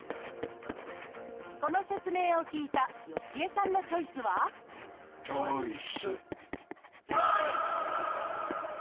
この説明を聞いたヨシ江さんのチョイスはチョイス！